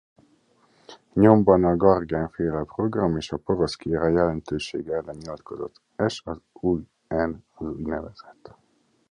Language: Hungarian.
Nyomban a Gagern-féle program és a porosz király jelöltsége ellen nyilatkozott s az ú.n.